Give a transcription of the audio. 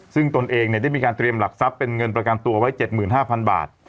ซึ่งตนเองได้มีการเตรียมหลักทรัพย์เป็นเงินประกันตัวไว้๗๕๐๐บาท